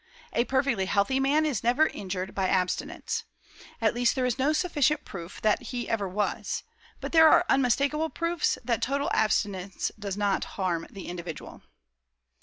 A perfectly healthy man is never injured by abstinence. At least there is no sufficient proof that he ever was; but there are unmistakable proofs that total abstinence does not harm the individual."